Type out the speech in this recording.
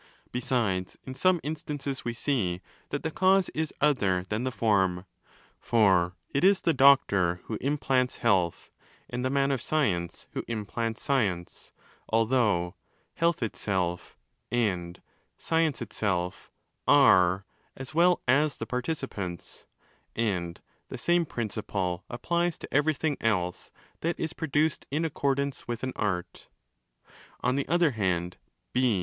Besides, in some instances we see that the cause is other than the Form. For it is the doctor who implants health and the man of science who implants science, although ' Health itself' and ' Science itself' ave as well as the Participants: and the same principle applies to everything else that is produced in accordance with an art. On the other hand (4).